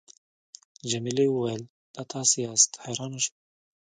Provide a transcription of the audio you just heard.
جميلې وويل:: دا تاسي یاست، حیرانه شوم.